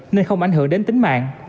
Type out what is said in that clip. nên không ảnh hưởng đến tính mạng